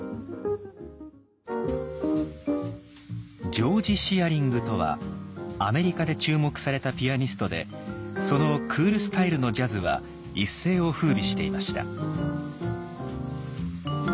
ジョージ・シアリングとはアメリカで注目されたピアニストでそのクール・スタイルのジャズは一世をふうびしていました。